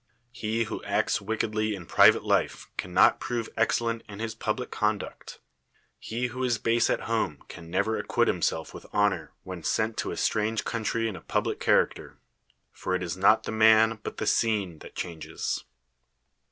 He who acts wickedly in private life cannot prove excellent in his pub lic conduct; he who is base at home can never acquit himself with honor when sent to a strange 206 country in a public cliai aeter; for it is not the man but tho scene that chang es.